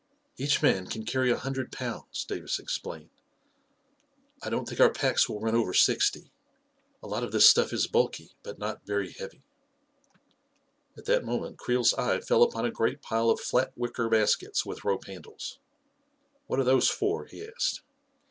" Each man can carry a hundred pounds," Davis explained. " I don't think our packs will run over sixty. A lot of this stuff is bulky, byt not very heavy." A KING IN BABYLON 99 At that moment Creel's eye fell upon a great pile of fiat wicker baskets with rope handles. "What are those for?" he asked.